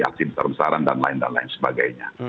aksi besar besaran dan lain lain sebagainya